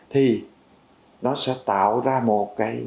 thì nó sẽ tạo ra một cái